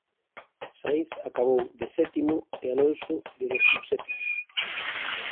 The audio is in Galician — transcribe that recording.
Sainz acabou de sétimo e Alonso de décimo sétimo.